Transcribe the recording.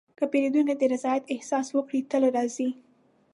که پیرودونکی د رضایت احساس وکړي، تل راځي.